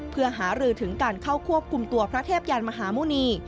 เพื่อหารือถึงการเข้าควบคุมตัวพระเทพยานมหาหมุณี